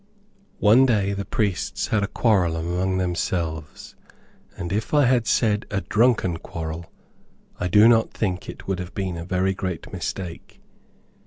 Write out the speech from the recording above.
One day the priests had a quarrel among themselves, and if I had said a DRUNKEN QUARREL, I do not think it would have been a very great mistake.